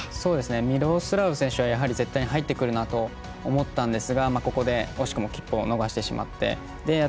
ミロスラフ選手は絶対に入ってくるなと思ったんですがここで、惜しくも切符を逃してしまって。